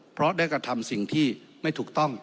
เพราะได้กระทำสิ่งที่ไม่ถูกต้อง